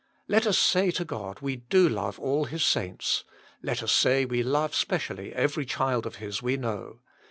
Let us say to God we lo love all His saints; let us say we love specially every child of His we know.